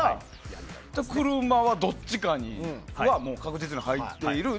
じゃあ、車はどっちかには確実に入っている。